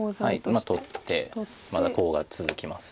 まあ取ってまたコウが続きます。